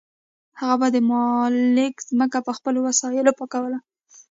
هغه به د مالک ځمکه په خپلو وسایلو پاکوله.